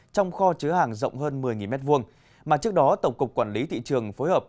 trong kho chứa hàng rộng hơn một mươi m hai mà trước đó tổng cục quản lý thị trường phối hợp